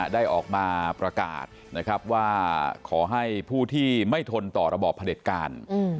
ได้ออกมาประกาศนะครับว่าขอให้ผู้ที่ไม่ทนต่อระบอบผลิตการ